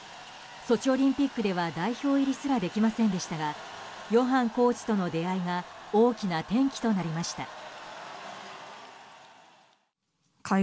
ソチオリンピックでは代表入りすらできませんでしたがヨハンコーチとの出会いが大きな転機となりました。